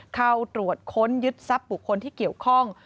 เข้าตรวจค้นยึดทรัพย์บุคคลที่เกี่ยวข้อง